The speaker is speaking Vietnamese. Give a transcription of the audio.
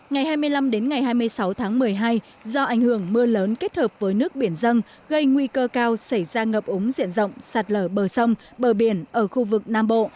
ngày hai mươi năm đến ngày hai mươi sáu tháng một mươi hai do ảnh hưởng mưa lớn kết hợp với nước biển dân gây nguy cơ cao xảy ra ngập ống diện rộng sạt lở bờ sông bờ biển ở khu vực nam bộ